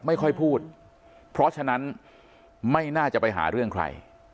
ไม่ค่อยพูดเพราะฉะนั้นไม่น่าจะไปหาเรื่องใคร